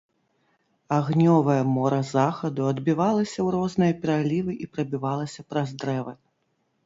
Агнёвае мора захаду адбівалася ў розныя пералівы і прабівалася праз дрэвы.